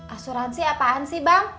asuransi apaan sih bang